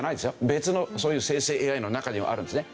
別のそういう生成ＡＩの中にはあるんですね。